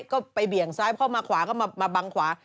ก็ไปเบี่ยงซ้ายเข้ามาขวาก็มาบังขวา